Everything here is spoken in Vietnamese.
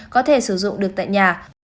có thể sử dụng được tại nhà